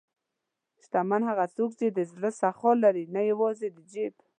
شتمن هغه دی چې د زړه سخا لري، نه یوازې د جیب.